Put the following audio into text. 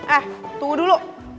eh tunggu dulu